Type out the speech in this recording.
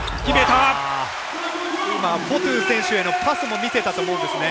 フォトゥ選手へのパスも見せたと思うんですね。